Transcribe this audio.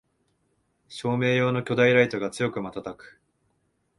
照明用の巨大ライトが強くまたたく